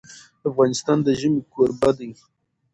افغانستان د ژمی کوربه دی.